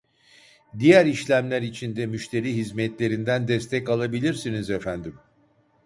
Diğer işlemler için de müşteri hizmetlerinden destek alabilirsiniz efendim.